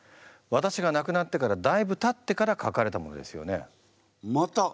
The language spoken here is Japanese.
私が亡くなってからだいぶたってから書かれたものですよね？